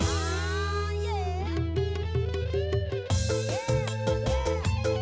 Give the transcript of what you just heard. untuk apa kau berikan